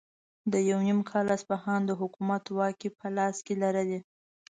ده یو نیم کال اصفهان د حکومت واکې په خپل لاس کې لرلې.